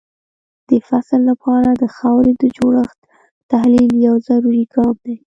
د فصل لپاره د خاورې د جوړښت تحلیل یو ضروري ګام دی.